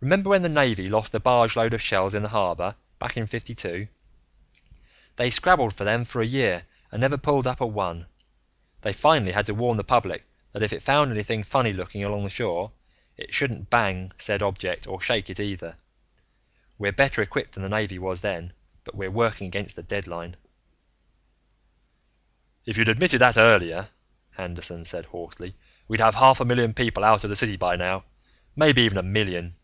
Remember when the Navy lost a barge load of shells in the harbor, back in '52? They scrabbled for them for a year and never pulled up a one; they finally had to warn the public that if it found anything funny looking along the shore it shouldn't bang said object, or shake it either. We're better equipped than the Navy was then but we're working against a deadline." "If you'd admitted that earlier," Anderton said hoarsely, "we'd have half a million people out of the city by now. Maybe even a million."